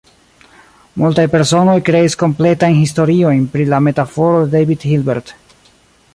Multaj personoj kreis kompletajn historiojn pri la metaforo de David Hilbert.